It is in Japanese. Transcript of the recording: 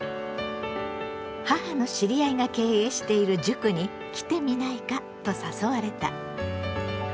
母の知り合いが経営している塾に来てみないかと誘われた。